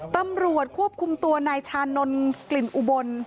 ตำรวจควบคุมตัวนายชานนท์กลิ่นอุบล